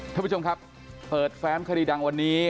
ท่านผู้ชมครับเปิดแฟ้มคดีดังวันนี้